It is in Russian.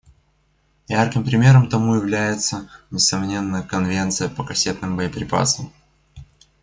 Ярким примером тому является, несомненно, Конвенция по кассетным боеприпасам.